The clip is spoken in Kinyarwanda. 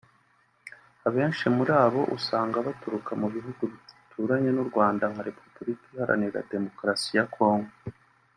Abenshi muri bo usanga baturuka mu bihugu bituranye n’u Rwanda nka Repubukika iharanira Demukarasi ya Congo